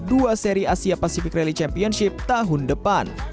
dua seri asia pacific rally championship tahun depan